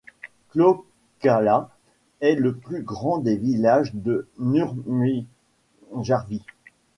Klaukkala est le plus grand des villages de Nurmijärvi.